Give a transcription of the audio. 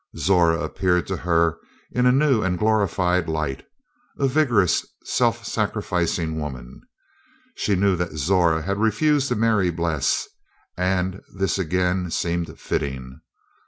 Zora appeared to her in a new and glorified light a vigorous, self sacrificing woman. She knew that Zora had refused to marry Bles, and this again seemed fitting.